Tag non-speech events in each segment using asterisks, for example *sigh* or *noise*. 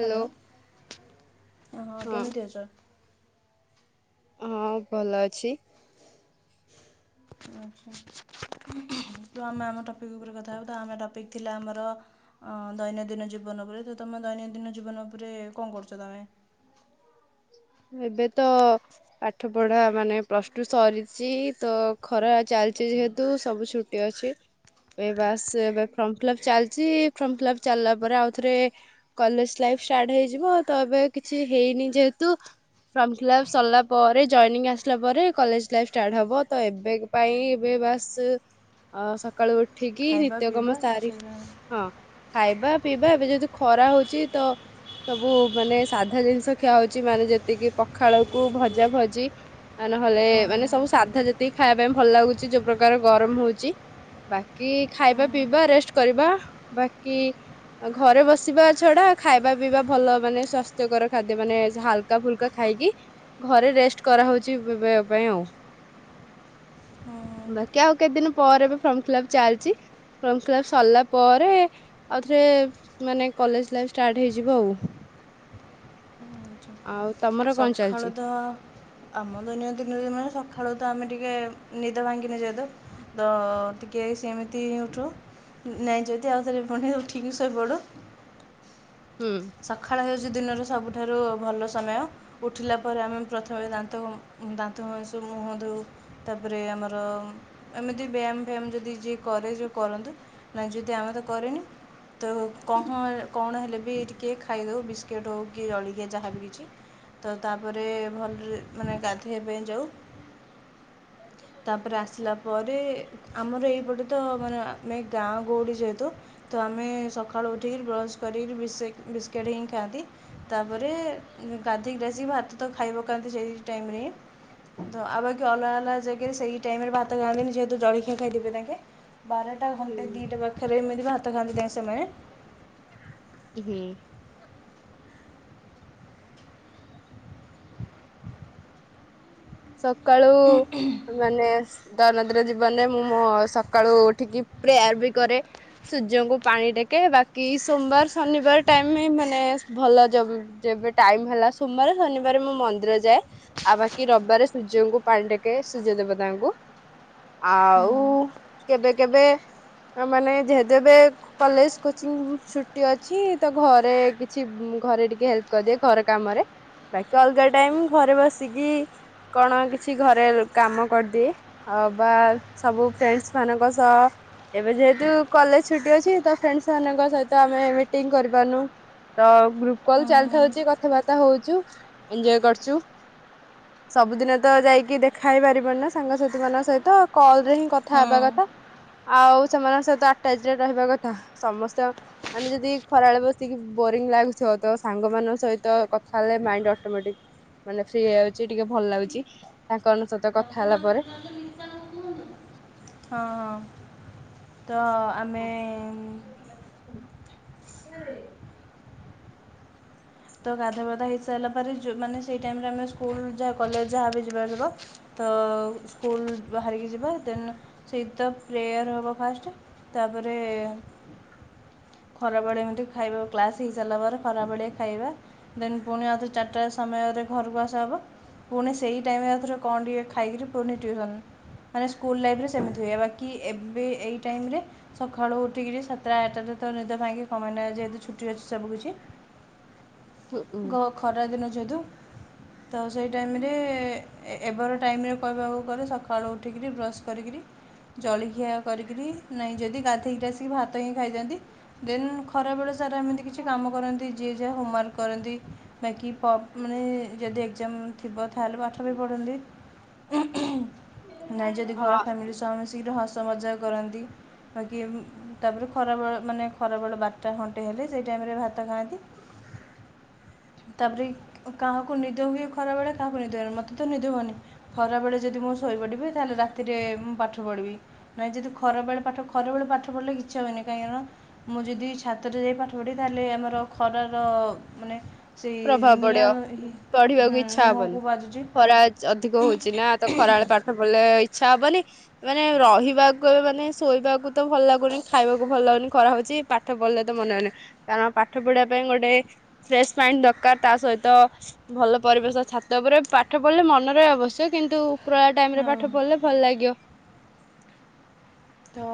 Hello ହଁ କେମିତି ଅଛ? ହଁ ଭଲ ଅଛି। ଆଚ୍ଛା ତ ଆମେ ଆମ ଟପିକ ଉପରେ କଥା ହବା ତ, ଆମ ଟପିକ୍ ଥିଲା ଆମର ଅଁ ଦୈନନ୍ଦିନ ଜୀବନ ଉପରେ, ତ ତମେ ଦୈନନ୍ଦିନ ଜୀବନ ଉପରେ କଣ କରୁଛ ତମେ? ଏବେ ତ ପାଠ ପଢା ମାନେ ପ୍ଲସ ଟୁ ସରିଛି, ତ ଖରା ଚାଲିଛି ଯେହେତୁ ସବୁ ଛୁଟି ଅଛି, ଏ ବାସ ଏବେ ଫର୍ମ ଫିଲପ୍ ଚାଲିଛି ଫର୍ମ ଫିଲପ୍ ଚାଲିଲା ପରେ ଆଉଥରେ କଲେଜ ଲାଇଫ ଷ୍ଟାର୍ଟ ହେଇଯିବ, ତ ଏବେ କିଛି ହେଇନି ଯେ ହେତୁ ଫର୍ମ ଫିଲପ୍ ସରିଲା ପରେ ଜଏନିଂ ଆସିଲା ପରେ କଲେଜ ଲାଇଫ ଷ୍ଟାର୍ଟ ହବ, ତ ଏବେ ପାଇଁ ଏବେ ବାସ୍ ସକାଳୁ ଉ ଠିକି ଖାଇବା ନିତ୍ୟକର୍ମ ପିଇବା ସାରି, ସେ ହଁ ଖାଇବା ପିଇବା ଏବେ ଯେହେତୁ ଖରା ହଉଛି ତ ସବୁ ମାନେ ସାଧା ଜିନିଷ ଖିଆ ହଉଛି ଉଛି ମାନେ ଯେତିକି ପଖାଳକୁ ଭଜା ଭଜି ଆ ନହେଲେ ମାନେ ସବୁ ସାଧା ଯେତେ ଖାଇବା ପାଇଁ ଭଲ ଲାଗୁଛି ଯୋଉ ପ୍ରକାର ଗରମ ହଉଛି ବାକି ହଁ ଖାଇବା ପିଇବା ରେଷ୍ଟ କରିବା ବାକି ଘରେ ବସିବା ଛଡା ଖାଇବା ପିଇବା ଭଲ ମାନେ ସ୍ଵାସ୍ଥ୍ୟକର ଖାଦ୍ୟ ମାନେ ହାଲକା ଫୁଲକା ଖାଇକି ଘରେ ରେଷ୍ଟ କରାହୋଉଚି ବେ ବେ ପାଇଁ ଆଉ। ହଁ ବାକି ଆଉ କେତେ ଦିନ ପରେ ଫ୍ରମ୍ ଫିଲପ୍ ଚାଲିଚି ଫ୍ରମ୍ ଫିଲପ୍ ସରିଲା ପରେ ଆଉ ଥରେ ମାନେ କଲେଜ୍ ଲାଇଫ୍ ଷ୍ଟାଟ୍ ହେଇଯିବ ଆଉ। ଆଉ ତମର କଣ ଚାଲିଛି? ସଖାଳୁ ତ ଆମ ଦୈନ ଦିନରେ ମାନେ ସଖାଳୁ ତ ଆମେ ଟିକେ ନିଦ ଭାଙ୍ଗିନେ ଯେହେତୁ ତ ଟିକେ ସେମିତି ଉଠୁଁ ନାଇଁ ଯଦି ଆଉ ଥରେ ପୁଣି ଉଠିକି ଶୋଇପଡ଼ୁ। ହୁଁ ସଖାଳ ହେଇ ଯ ଦିନରୁ ସବୁଠାରୁ ଭଲ ସମୟ ଉଠିଲା ପରେ ଆମେ ପ୍ରଥମେ ଦାନ୍ତ ଦାନ୍ତ ଘଷୁ ମୁହଁ ଧୋଉ ତାପରେ ଆମର ଏମିତି ବ୍ୟାୟାମ ଫ୍ୟାୟାମ ଯଦି ଯିଏ କରେ ଯୋଉ କରନ୍ତୁ ନାହିଁ ଯଦି ଆମେ ତ କରେନି ତ କହଁ କଣ ହେଲେ ବିି ଟିକେ କେକ୍ ଖାଇଦେଉ ବିସ୍କିଟ୍ ହଉ କି ଜଳିଖିଆ ଯାହାବି କିଛି ତ ତାପରେ ଭଲରେ ମାନେ ଗାଧେଇବା ପାଇଁ ଯାଉ। ତାପରେ ଆସିଲା ପରେ ଆମର ଏଇ ପଟେ ତ ମାନେ ଆମେ ଗାଁ ଗଉଡୀ ଯେହେତୁ ତ ଆମେ ସକାଳୁ ଉଠିକିରି ବ୍ରସ କରି ବିଶୋଇ ବିସ୍କିଟ୍ ହିଁ ଖାଆନ୍ତି ତାପରେ ଗାଧେଇ କି ଆସିକି ଭାତ ତ ଖାଇ ପକାନ୍ତି ସେଇ ଟାଇମରେ ହିଁ ତ ଆଉ ବାକି ଅଲଗା ଅଲଗା ସେଇ ଟାଇମରେ ଭାତ ଖାଆନ୍ତିନି ଯେହେତୁ ଜଳିଖିଆ ଖାଇଥିବେ ତାଙ୍କେ। ବାରଟା ଘଣ୍ଟେ ଦିଇଟା ପାଖରେ ଏମିତି ଭାତ ଖାଆନ୍ତି ତାଙ୍କେ ସେମାନେ। ହୁଁ। ସକାଳୁ ମାନେ ଦୈନନ୍ଦିନ ଜୀବନରେ ମୁଁ ମୋ ସକାଳୁ ଉଠିକି ପ୍ରେୟାର ବି କରେ, ସୂର୍ଯ୍ୟଙ୍କୁ ପାଣି ଟେକେ, ବାକି ସୋମବାର, ଶନିବାର ଟାଇମି ମାନେ ଭଲ ଯୋ ଯେବେ ଟାଇମ ହେଲା ସୋମବାରେ, ଶନିବାରେ ମୁଁ ମନ୍ଦିର ଯାଏ। ଆଉ ବାକି ରବିବାରେ ସୂର୍ଯ୍ୟଙ୍କୁ ପାଣି ଟେକେ ସୂର୍ଯ୍ୟ ଦେବତାଙ୍କୁ। ହଁ ଆଉ କେବେ କେବେ ଆ ମାନେ ଯେହେତୁ ଏବେ କଲେଜ କୋଚିଂ ଛୁଟି ଅଛି ତ ଘରେ କିଛି ଉଁ ଘରେ ଟିକେ ହେଲ୍ପ କରିଦିଏ ଘର କାମରେ, ବାକି ଅଲଗା ଟାଇମ ଘରେ ବସିକି କଣ କିଛି ଘରେ କାମ କରିଦିଏ, ଅ ବା ସବୁ ଫ୍ରେଣ୍ଡସ ମାନଙ୍କ ସହ ଏବେ ଯେହେତୁ କଲେଜ ଛୁଟି ଅଛି ତ ଫ୍ରେଣ୍ଡସ ମାନଙ୍କ ସହିତ ଆମେ ମିଟିଂ କରିପାରୁନୁ ତ ଗ୍ରୁପ କଲ ହଁ ଚାଲିଥାଉଚି କଥାବାର୍ତ୍ତା ହଉଚୁ ଏଞ୍ଜୟ କରଚୁ। ସବୁଦିନ ତ ଯାଇକି ଦେଖା ହେଇ ପାରିବନି ନା ସାଙ୍ଗସାଥି ମାନଙ୍କ ସହିତ, କଲ୍ ରେ ହିଁ କଥା ହଁ ହେବା ହଁ କଥା। ଆଉ ସେମାନଙ୍କ ସହିତ ଆଟାଚରେ ରହିବା କଥା, ସମସ୍ତେ ଅ ମାନେ ଯଦି ଖରାବେଳେ ବସିକି ବୋରିଙ୍ଗ ଲାଗୁଥିବ ତ ସାଙ୍ଗମାନଙ୍କ ସହିତ କଥା ହେଲେ ମାଇଣ୍ଡ ଅଟୋମେଟିକ ମାନେ ଫ୍ରି ହେଇ ଯାଉଚି। ଟିକେ ଭଲ ଲାଗୁଚି ତାଙ୍କ ମାନ ସହିତ କ *unintelligible* ହଁ। ତ ଆମେ ଉଁ ନାଇଁରେ ତ ଗାଧାବାଧା ହେଇସାଇଲା ପରେ ଯୋଉ ମାନେ ସେଇ ଟାଇମରେ ଆମେ ସ୍କୁଲ ଯାହା କଲେଜ ଯାହା ବି ଯିବା ଯିବ ତ ସ୍କୁଲ ବାହାରିକି ଯିବା ଦେନ୍ ସେଇ ତ ପ୍ରେୟର ହବ ଫାଷ୍ଟେ ତାପରେ ଖରା ବେଳେ ଏମିତି ଖାଇବାକୁ କ୍ଲାସ ହେଇ ସାରିଲା ପରେ ଖରା ବେଳେ ଖାଇବା ଦେନ ପୁଣି ଆଉଥରେ ଚାରିଟା ସମୟରେ ଘରୁକୁ ଆସିବାବୁ ପୁଣି ସେଇ ଟାଇମରେ ଆଉ ଥରେ କଣ ଟିକେ ଖାଇକିରି ପୁଣି ଟିଉସନ୍ ମାନେ ସ୍କୁଲ ଲାଇଫରେ ସେମିତି ହୁଏ ବାକ ଏବେ ଏଇ ଟାଇମରେ ସଖାଳୁ ଉଠିକିରି ସାତଟା ଆଟାଟା ତ ନିଦ ଭାଙ୍ଗେ କାଇଁ ନାଁ ଯେହେତୁ ଛୁଟି ଅଛି ସବୁ କିିଛି ଗ ଖରା ଦିନ ଯେହେତୁ ତ ସେଇ ଟାଇମରେ ଏ ଏବେର ଟାଇମରେ କହିବାକୁ ଗଲେ ସଖାଳୁ ଉଠିକିରି ବ୍ରସ୍ କରିକରି ଜଳିଖିଆ କରିକିରି ନାଇଁ ଯଦି ଗାଧେଇକିରି ଆସିକିରି ଭାତ ହିଁ ଖାଇଦିଅନ୍ତି। ଦେନ୍ ଖରା ବଳେ ସାରା ଏମିତି କିଛି କାମ କରନ୍ତି ଯିଏ ଯାହା ହୋମୱାର୍କ କରନ୍ତି ବାକି ପ ମାନେ ଯଦି ଏକ୍ଜାମ ଥିବ ତାହେଲେ ପାଠ ବି ପଢ଼ନ୍ତି‌ ନାଇଁ ଯଦି ଘର ହଁ ଫ୍ୟାମିଲି ସହ ମିଶିକିରି ହସ ମଜାକ୍ କରନ୍ତି ବାକି ତାପରେ ଖରା ବଳେ ମାନେ ଖରା ବେଳ ବାରଟା ଘଣ୍ଟେ ହେଲେ ସେଇ ଟାଇମରେ ଭାତ ଖାଆନ୍ତି। ତାପରେ କାହାକୁ ନିଦ ହୁଏ ଖରା ବେଳେ କାହାକୁ ନିଦ ହୁଏନି। ମତେ ତ ନିଦ ହୁଏନି। ଖରାବେେଳେ ଯଦି ମୁଁ ଶୋଇପଡ଼ିବି ତାହେଲେ ରାତିରେ ମୁଁ ପାଠ ପାଠ ପଢ଼ିବି ନାଇଁ ଯଦି ଖରା ବେଳେ ପାଠ ଖରାବେଳେ ପାଠ ପଢ଼ିଲେ ଇଚ୍ଛା ହଏନି କାହିଁକି ନାଁ ମୁଁ ଯଦି ଛାତରେ ଯାଇ ପାଠପଢ଼ିଵି ତାହେଲେ ଆମର ଖରାର ମାନେ ସେଇ ପ୍ରଭାବ ନିଆଁ ପଡିବ ପଢିବାକୁ ଇଚ୍ଛା ହବନି ମୁହଁକୁ ବାଜୁଛି ଖରା ଅଧିକ ହଉଛି ନା ତ ଖରାବେେଳେ ପାଠ ପଢିଲେ ଛା ହବନି ମାନେ ରହିବାକୁ ଏବେ ମାନେ ଶୋଇବାକୁ ତ ଭଲ ଲାଗୁନି, ଖାଇବାକୁ ଭଲ ଲାଗୁନି, ଖରା ହଉଛି ପାଠ ପଢିଲେ ତ ମନେ ହଉନି କାରଣ ପାଠ ପଢିବା ପାଇଁ ଗୋଟେ ଫ୍ରେସ୍ ପାଇଁ ଦରକାର ତା ସହିତ ଭଲ ପରିବେଶ ଛାତ ଉପରେ ପାଠ ପଢିଲେ ମନରେ ଆବଶ୍ୟକ କିନ୍ତୁ ପ୍ରଳା ଟାଇମ୍ ରେ ହଁ ପାଠ ପଢିଲେ ଭଲ ଲାଗିବ। ତ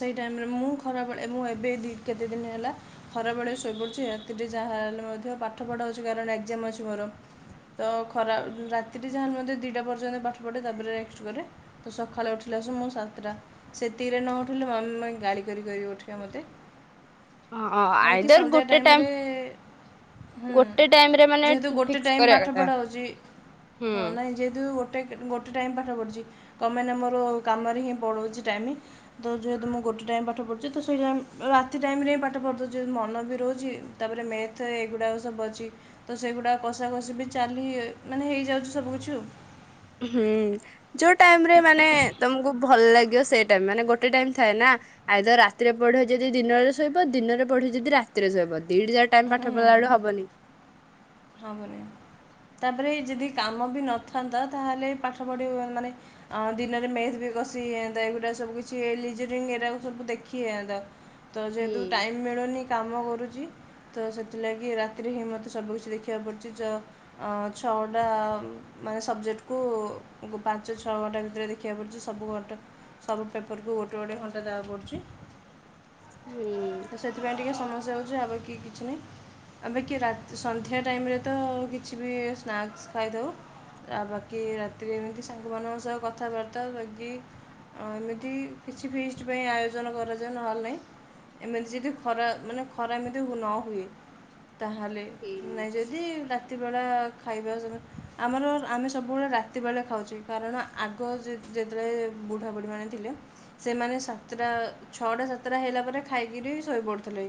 ସେଇ ଟାଇମ୍ ରେ ମୁଁ ଖରାବେଳେ ମୁଁ ଏବେ କେତେ ଦିନ ହେଲା ଖରାବେଳେ ଶୋଇପଡ଼ୁଛି। ରାତିରେ ଯାହାହେଲେ ମଧ୍ୟ ପାଠ ପଢ଼ା ହେଉଛିକାରଣ ଏକ୍ଜାମ୍ ଅଛି ମୋର। ତ ଖରା ରାତିରେ ଯାହାହେଲେ ମଧ୍ୟ ଦିଇଟା ପର୍ଯ୍ୟନ୍ତ ପାଠ ପଢ଼େ ତାପରେ ରେଷ୍ଟ୍ କରେ। ତ ସକାଳେ ଉଠିଲା ଆସୁ ମୁଁ ସାତଟା ସେତିକିରେ ନ ଉଠିଲେ ମାମା ଗାଳି କରି କରି ଉ ଉଠେଇବେ ମୋତେ। ହଁ ଆଉ ବାକି ଆଇଦର ସନ୍ଧ୍ୟା ଗୋଟେ ଟାଇମ୍ ଟାଇମ ରେ ଏ-ଏ ହୁମ୍ ଗୋଟେ ଟାଇମ ରେ ମାନେ ଯେହେତୁ ଗୋଟେ ଫିକ୍ସ ଟାଇମ୍ କରିବା କଥା ପାଠପଢା ହେଉଛି। ହୁଁ। ହଁ ନାଇଁ ଯେହେତୁ ଗୋଟେ ଗୋଟେ ଟାଇମ୍ ପାଠ ପଢୁଛି। କମମାନେ ମୋର କାମରେ ହିଁ ପଳଉଛି ଟାଇମ୍ ତ ଯେହେତୁ ମୁଁ ଗୋଟେ ଟାଇମ୍ ପାଠ ପଢୁଛି ତ ଶୋଇଯା। ରାତି ଟାଇମ୍ ରେ ହିଁ ପାଠ ପଢ଼ୁଦଉଛିି ମନ ବି ରହୁଛି। ତାପରେ ମେଥ୍ ଏଗୁଡ଼ାକ ସବୁ ଅଛି ତ ସେଗୁଡ଼ାକ କଷାକଷି ବି ଚାଲି ଏ ମାନେ ହେଇଯାଉଛି ସବୁ କିଛି ଆଉ। ହୁଁ ଯୋଉ ଟାଇମ୍ ରେ ମାନେ ତମକୁ ଭଲ ଲାଗିବ। ସେଇ ଟାଇମ୍ ମାନେ ଗୋଟେ ଟାଇମ୍ ଥାଏ ନା। ଆଇଦର ରାତିରେ ପଢେ ଯେ ଯଦି ଦିନରେ ଶୋଇବ ଦିନରେ ପଢେ ଯଦି ରାତିରେ ଶୋଇବ। ଦିଡି ଯାକ ଟାଇମ୍ ପାଠ ପଢିଲା ବେଳୁ ହବନି। ହବନି ତାପରେ ଯଦି କାମ ବି ନଥାନ୍ତା ତାହେଲେ ପାଠ ପଢ଼ି ହୁ ମାନେ ଅ ଦିନରେ ମେଥ୍ ବି କଷିଯାନ୍ତା ଏଗୁଡ଼ା ସବୁ କିଛି ଲିଜରିଙ୍ଗ୍ ଏରା ସବୁ ଦେଖି ହେଇଯାନ୍ତା। ତ ହୁଁ ଯେହେତୁ ଟାଇମ୍ ମିଳୁନି କାମ କରୁଛି। ତ ସେଥିଲାଗି ରାତିରେ ହିଁ ମତେ ସବୁକିଛି ଦେଖି ଦେଖିବାକୁ ପଡ଼ୁଛି ଚ ଅ ଛଅଘଣ୍ଟା ଆ ମାନେ ସବଜେକ୍ଟକୁ ଉ ପାଞ୍ଚ ଛଅ ଘଣ୍ଟା ଭିତରେ ଦେଖିବାକୁ ପଡ଼ୁଛି। ସବୁ ଘଟା ସବୁ ପେପରକୁ ଗୋଟେ ଗୋଟେ ଘଣ୍ଟା ଦେବାକୁ ପଡ଼ୁଛି। ହୁଁ ତ ସେଥିପାଇଁ ଟିକେ ସମସ୍ତେ ଯାଉଛି ଆଉ ବାକି କିଛି ନାହିଁ। ଆବେକି ରାତ୍ ସନ୍ଧ୍ୟା ଟାଇମ୍ ରେ ତ କିଛି ବି ସ୍ନାକ୍ସ୍ ଖାଇଥାଉ। ଆଉ ବାକି ରାତିରେ ଏମିତି ସାଙ୍ଗମାନଙ୍କ ସହ କଥାବାର୍ତ୍ତା ବାକି ଏମିତି କିଛି ଫିଷ୍ଟ୍ ପାଇଁ ଆୟୋଜନ କରାଯାଏ। ନହେଲେ ନାହିଁ ଏମିତି ଯଦି ଖରା ମାନେ ଖରା ଏମିତି ନ ହୁଏ। ତାହେଲେ ହୁଁ ନାଇ ଯଦି ଡା ରାତି ବେଳା ଖାଇବା ସ। ଆମର ଆମେ ସବୁବେଳେ ରାତି ବେଳେ ଖାଉଛେ କାରଣ ଆଗ ଯେ ଯେତେବେଳେ ବୁଢ଼ାବୁଢ଼ୀମାନେେ ଥିଲେ ସେମାନେ ସାତଟା ଛଅଟା ସାତଟା ହେଲା ପରେ ଖାଇକିରି ଶୋଇ ପଡୁଥିଲେ।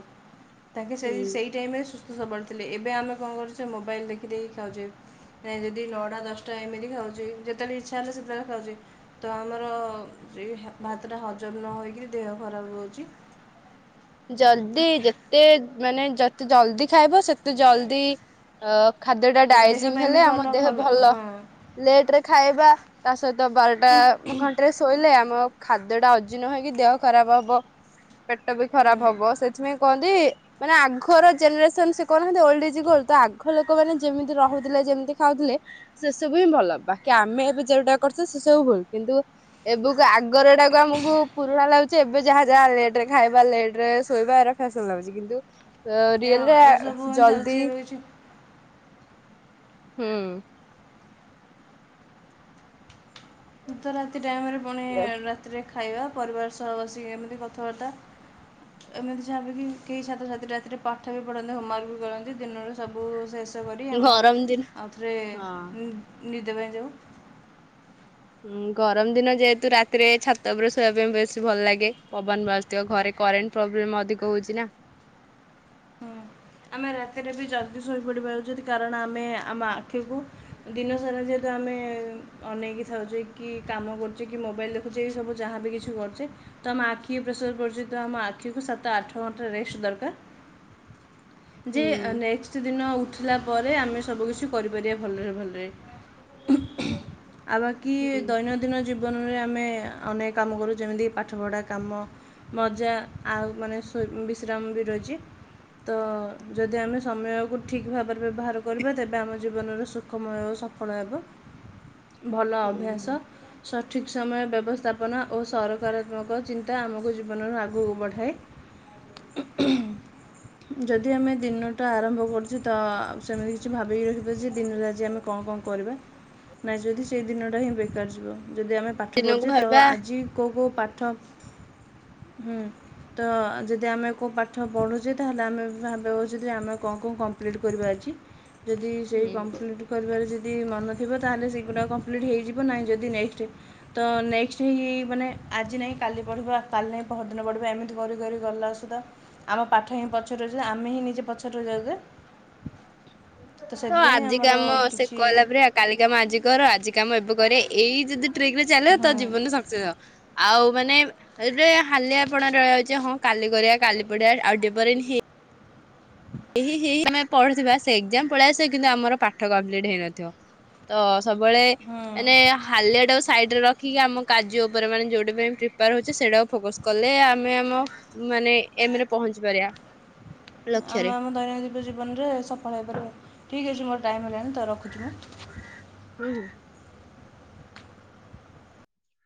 ତାଙ୍କେ ସେ ହୁଁ ସେଇ ଟାଇମ୍ ରେ ସ୍ ସବଳ ଥିଲେ, ଏବେ ଆମେ କଣ କରୁଛେ ମୋବାଇଲ୍ ଦେଖି ଦେଇକି ଖାଉଛେ, ଯଦି ନଅଟା ଦଶଟା ଏମିତି ଖାଉଛେ, ଯେତେବେଳେ ଇଚ୍ଛା ହେଲେ ସେତେବେଳେ ଖାଉଛେ, ତ ଆମର ସେ ହା ଭାତଟା ହଜମ୍ ନ ହୋଇକିରି ଦେହ ଖରାପ ହଉଛି। ଜଲଦି ଯେତେ ମାନେ ଯେତେ ଜଲଦି ଖାଇବ ସେତେ ଜଲଦି ଅ ଖାଦ୍ୟ ଟା ଦେହ ଡାଇଜିଂ ପାଇଁ ବି ହେଲେ ଆମ ଭଲ ଦେହ ଭଲ, ହଁ ଲେଟରେ ଖାଇବା ତା ସହିତ ବାରଟା ଘଣ୍ଟେରେ ଶୋଇଲେ ଆମ ଖାଦ୍ୟଟା ଅଜିର୍ଣ୍ଣ ହେଇକି ଦେହ ଖରାପ ହବ, ପେଟ ଖରାପ ହବ ସେଥିପାଇଁ କୁହନ୍ତି ମାନେ ଆଘର ଜେନେରେସନ୍ ସେ କହୁନାହାନ୍ତି ଓଲ୍ଡ ଇଜ୍ ଗୋଲ୍ଡ ତ ଆଘ ଲୋକମାନେ ଯେମିତି ରହୁଥିଲେ ଯେମିତି ଖାଉଥିଲେ ସେ ସବୁ ହିଁ ଭଲ ବାକି ଆମେ ଏବେ ଯୋଉଟା କରୁଛେ ସେ ସବୁ ଭୁଲ୍। କିନ୍ତୁ ଏବେକୁ ଆଗର ଏଟାକୁ ଆମକୁ ପୁରୁଣା ଲାଗୁଚି ଏବେ ଯାହା ଯାହା ଲେଟ୍ ରେ ଖାଇବା କିବା ଲେଟ୍ ରେ ଶୋଇବା ଆର ଫ୍ୟାସନ୍ ଲାଗୁଛି କିନ୍ତୁ ସରିଗଲେ ଆ ଏଇସବୁ ଚାଲିଛି ଜଲଦି ଏବେ କିଛି ହୁଁ। ତ ରାତି ଟାଇମରେ ପୁଣି ରାତିରେ ଖାଇବା ପରିବାର ସହ ବସିକି ଏମିତି କଥାବାର୍ତ୍ତା ଏମିତି ଯାହାଲେ ବି କେହି ଛାତ୍ରଛାତ୍ରୀ ରାତିରେ ପାଠ ବି ପଢ଼ନ୍ତି ହୋମୱାର୍କ ବି କରନ୍ତି ଦିନରେ ସବୁ ଶେଷ ତ କରି ଆମ ଗରମ ଦିନ ଆଉ ଥରେ ଉଁ ନିଦେ ପାଇଁ ଯାଉ ହୁଁ ଗରମ ଦିନ ଯେହେତୁ ରାତିରେ ଛାତ ଉପରେ ଶୋଇବା ପାଇଁ ବେଶୀ ଭଲ ଲାଗେ ପବନ ବାଜିଥିବ ଘରେ କରେଣ୍ଟ ପ୍ରୋବ୍ଲେମ ଅଧିକ ହଉଛି ନା। ହୁଁ ଆମେ ରାତିରେ ବି ଜଲ୍ଦି ସୋଇପଡ଼ିବା ଉଚିତ କାରଣ ଆମେ ଆମ ଆଖିକୁ ଦିନ ସାରା ଯେହେତୁ ଆମେ ଅନେଇକି ଥାଉଚେ କି କାମ କରୁଚେ କି ମୋବାଇଲ ଦେଖୁଚେ ସବୁ ଯାହାବି କିଛି କରୁଚେ ତ ଆମେ ଆଖି କୁ ପ୍ରେସର ପଡ଼ୁଛି ତ ଆମ ଆଖିକୁ ସାତ ଆଠ ଘଣ୍ଟା ରେଷ୍ଟ ଦରକାର। ଯେ ହୁଁ ନେକ୍ସଟ ଦିନ ଉଠିଲା ପରେ ଆମେ ସବୁ କିିଛି କରିପାରିବା ଭଲରେ ଭଲ ରେ ଆଉ ବାକି ହୁଁ ଦୈନନ୍ଦିନ ଜିବ ଜୀବନରେ ଆମେ ଅନେକ କାମ କରୁ ଯେମିତିକ ପାଠପଢ଼ା କାମ ମଜା ଆଉ ମାନେ ସୋ ବିଶ୍ରାମ ବି ରହିଚି ତ ଆମେ ସମୟକୁ ଠିକ୍ ଭାବରେ ବ୍ୟବହାର କରିବା ତେବେ ଆମ ଜୀବନରେ ସୁଖମୟ ଓ ସଫଳ ହେବ। ଭଲ ଅଭ୍ୟାସ ହୁଁ ସଠିକ ସମୟ ବ୍ୟବସ୍ଥାପନା ଓ ସକାରାତ୍ମକ ଚିତା- ଟା ଆମକୁ ଜୀବନରୁ ଆଗକୁ ବଢ଼ାଏ। ହ ଯଦି ତି ଆମେ ଦିନଟା ଆରମ୍ଭ କରୁ ତ ସେମିତି କିଛି ଭାବିକି ରଖିବ ଯେ ଦିନ ଆଜି ଆମେ କଣ କଣ କରିବା ନାଇଁ ଯଦି ଦିନଟା ହିଁ ବେକାର ଯିବ ଯଦି ଆମେ ପାଠ ଦିନକୁ ପଢ଼ୁଛେ ତ ଭାବିବା ଆଜି କୋଉ କୋଉ ପାଠ ହୁଁ ତ ଯଦି ଆମେ କୋଉ ପାଠ ପଢୁଚେ ତାହେଲେ ଆମେ- ଭାବିବା ଉଚିତ ଆମେ କଣ କଣ କମ୍ପ୍ଲିଟ୍ କରିବା ଆଜି ଯଦି ସେଇ ହୁଁ କମ୍ପ୍ଲିଟ୍ କରିବାରେ ଯଦି- ଯଦି ମନଥିବ ତାହେଲେ ସେ- ପୁରା କମ୍ପ୍ଲିଟ୍ ହେଇଯିବ ନାହିଁ ଯଦି ନେକ୍ସଟ୍ ତ ନେକ୍ସଟ ହେଇ ମାନେ ଆଜି ନାଇଁ କାଲି ପଢିବା କାଲି ନାଇଁ ପର ଦିନ ପଢିବା ଏମିତି କରି ଗ ସୁଧା ଆମ ପାଠ ହିଁ ପଛକୁ ଆମେ ହିଁ ନି ତ ସେଥିପାଇଁ ଆଜି ଆମର କାମ ସେ କିଛି କଲା ପରେ କାଲି କାମ ଆଜି କର ଆଜି କାମ ଏବେ କରିବାରେ ଏଇ ଯଦି ଟ୍ରିକ ରେ ଚାଲିବ ତ ହଁ ଜୀବନରେ ସକ୍ସେସ୍ ଆଉ ମାନେ ଏ ହାଲି ଆପଣ ରହୀଯାଉଛି ହଁ କାଲି କରିବା କାଲି ପଡିଆ ଆଉ ଟିକେ ପରେ ଆମେ ପଢୁଥିବା ସେ ଏକଜାମ ପଳେଇ ଆସିବ କିନ୍ତୁ ଆମର ପାଠ କମ୍ପ୍ଲିଟ ହେଇନଥିବ ତ ସବୁବେଳେ ହଁ ମାନେ ହାଲିଆ ଟା ସାଇଡରେ ରଖ ଠିକ ଆମ କାର୍ଯ୍ୟ ଉପରେ ମାନେ ଯୋଉଟା ପାଇଁ ପ୍ରିପେୟାର ହଉଛେ ସେଇଟାକୁ ଫୋକସ କଲେ ଆମେ ଆମ ମାନେ ଏମରେ ପହଞ୍ଚି ପାରିବା। ଆମେ ଲକ୍ଷ୍ୟରେ ଆମ ଦୈନନ୍ଦିନ ଜୀବନରେ ସଫଳ ହେଇପାରିବା ଠିକ ଅଛି ମୋର ଟାଇମ୍ ହେଲାଣି ତ ରଖୁଛି ମୁଁ। ହୁଁ।